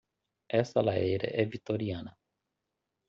Esta lareira é vitoriana.